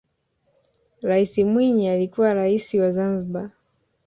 rais mwinyi alikuwa raisi wa zanzibar